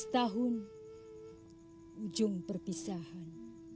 tujuh belas tahun ujung perpisahan